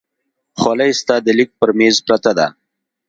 خولۍ ستا د لیک پر مېز پرته وه.